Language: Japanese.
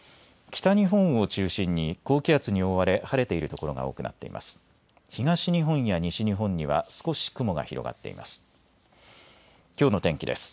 北日本を中心に高気圧に覆われ晴れている所が多くなっています。